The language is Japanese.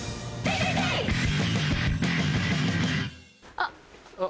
あっ。